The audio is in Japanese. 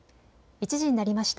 １時になりました。